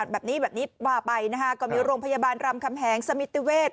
บอกว่าผมอยู่โรงพยาบาลรำคำแหงสมิติเวท